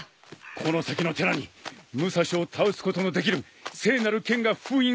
この先の寺に武蔵を倒すことのできる聖なる剣が封印されている。